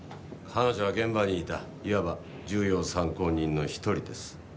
彼女は現場にいたいわば重要参考人の一人です。